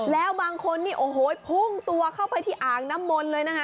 แล้วบางคนพุ่งตัวเข้าไปที่อ่างน้ำมนเลยนะฮะ